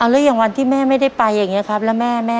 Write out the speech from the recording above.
แล้วอย่างวันที่แม่ไม่ได้ไปอย่างนี้ครับแล้วแม่